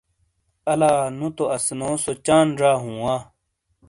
الا نو تو اسنو سو چاند زا ہوں وا۔